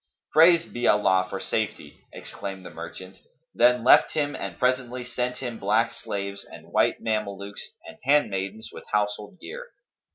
"Praised be Allah for safety!" exclaimed the merchant, then left him and presently sent him black slaves and white Mamelukes and handmaidens with household gear.